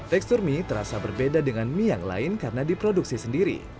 tekstur mie terasa berbeda dengan mie yang lain karena diproduksi sendiri